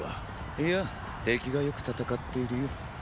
いや敵がよく戦っているよ。